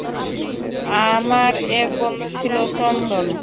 আমার এক বন্ধু ছিলো, চন্দন।